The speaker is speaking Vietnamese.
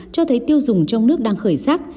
cho thấy tiêu dùng trong nước đang khởi sắc